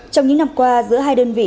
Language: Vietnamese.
trong những năm qua giữa hai đơn vị